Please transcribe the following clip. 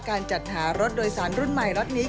การจัดหารถโดยสารรุ่นใหม่ล็อตนี้